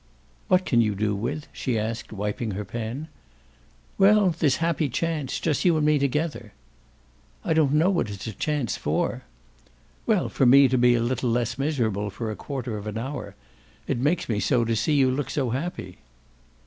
"What can you do with?" she asked, wiping her pen. "Well this happy chance. Just you and me together." "I don't know what it's a chance for." "Well, for me to be a little less miserable for a quarter of an hour. It makes me so to see you look so happy."